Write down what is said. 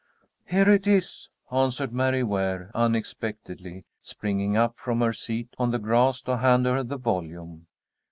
"Here it is," answered Mary Ware, unexpectedly, springing up from her seat on the grass to hand her the volume.